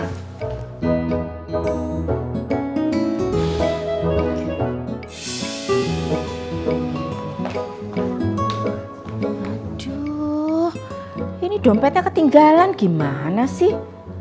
aduh ini dompetnya ketinggalan gimana sih